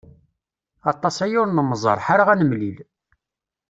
Aṭas aya ur nemẓer, ḥareɣ ad nemlil.